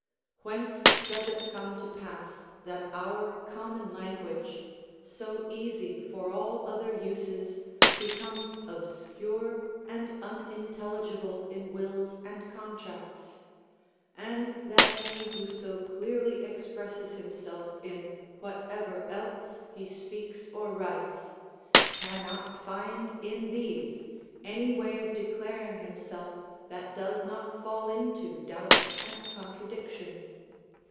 Whence does it come to pass that our common language, so easy for all other uses, becomes obscure and unintelligible in wills and contracts? and that he who so clearly expresses himself in whatever else he speaks or writes, cannot find in these any way of declaring himself that does not fall into doubt and contradiction?